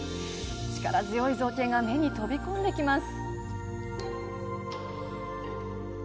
力強い造形が目に飛び込んできます。